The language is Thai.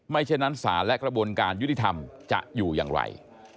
เช่นนั้นศาลและกระบวนการยุติธรรมจะอยู่อย่างไร